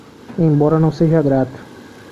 Embora não seja grato